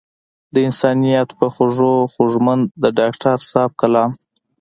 د انسانيت پۀ خوږو خوږمند د ډاکټر صېب کلام